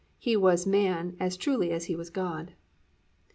He was man as truly as He was God.